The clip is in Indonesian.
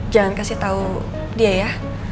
jangan kasih tahu dia ya